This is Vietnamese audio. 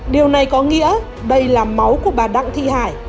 điều này có nghĩa đây là máu của bà đặng thị hải